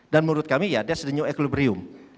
dan menurut kami ya that's the new equilibrium